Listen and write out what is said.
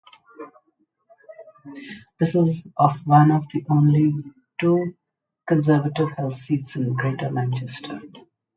This is of one of only two Conservative held seats in Greater Manchester.